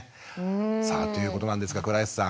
さあということなんですが倉石さん。